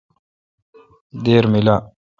دیر میلا۔